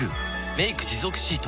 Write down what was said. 「メイク持続シート」